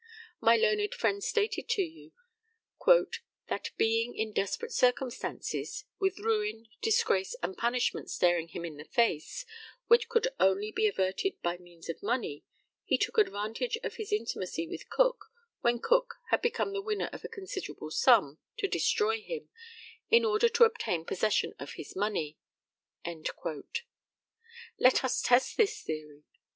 My learned friend stated to you "That, being in desperate circumstances, with ruin, disgrace, and punishment staring him in the face, which could only be averted by means of money, he took advantage of his intimacy with Cook, when Cook had become the winner of a considerable sum, to destroy him, in order to obtain possession of his money." Let us test this theory.